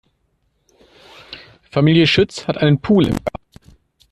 Familie Schütz hat einen Pool im Garten.